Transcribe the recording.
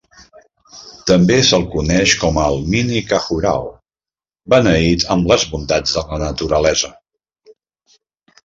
També se'l coneix com el "Mini Khajuraho" beneït amb les bondats de la naturalesa.